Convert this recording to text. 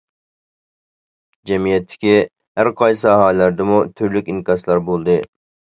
جەمئىيەتتىكى ھەرقايسى ساھەلەردىمۇ تۈرلۈك ئىنكاسلار بولدى.